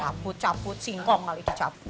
cabut cabut singkong kali itu cabut